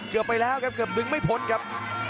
เกือบไปแล้วครับเกือบดึงไม่พ้นครับ